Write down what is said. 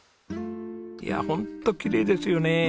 いやホントきれいですよね。